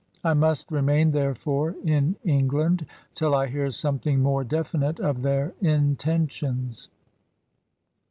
I must remain, therefore, in England, till I hear something more definite of their intentions.